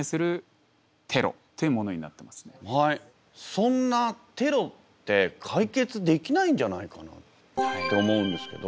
そんなテロって解決できないんじゃないかなと思うんですけど。